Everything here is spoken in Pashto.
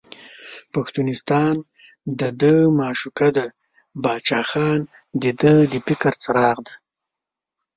پښتونستان دده معشوقه ده، باچا خان دده د فکر څراغ دی.